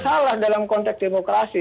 nggak ada salah dalam konteks demokrasi